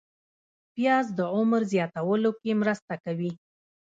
پیاز د عمر زیاتولو کې مرسته کوي